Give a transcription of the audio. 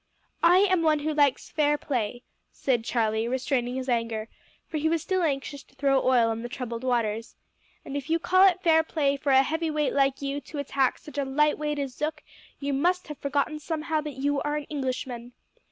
"I am one who likes fair play," said Charlie, restraining his anger, for he was still anxious to throw oil on the troubled waters, "and if you call it fair play for a heavy weight like you to attack such a light weight as Zook, you must have forgotten somehow that you are an Englishman.